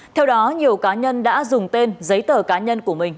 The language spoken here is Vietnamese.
theo đó nhiều cá nhân đã dùng tên giấy tờ cá nhân của mình